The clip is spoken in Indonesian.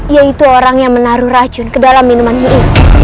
yaitu orang yang menaruh racun ke dalam minuman hiu